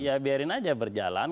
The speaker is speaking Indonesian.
ya biarin aja berjalan